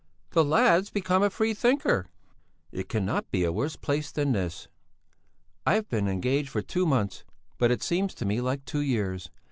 "The lad's become a free thinker!" "It cannot be a worse place than this. I've been engaged for two months, but it seems to me like two years.